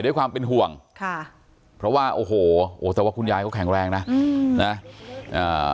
ด้วยความเป็นห่วงค่ะเพราะว่าโอ้โหโอ้แต่ว่าคุณยายเขาแข็งแรงนะอืมนะอ่า